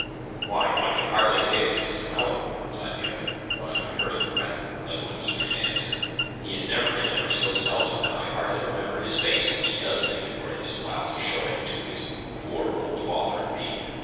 "Why, one can hardly say it is his dwelling," replied the other, drawing a hurried breath, like one eager to answer; "he is never in it, or so seldom, that I hardly remember his face, when he does think it worth his while to show it to his poor old father and me.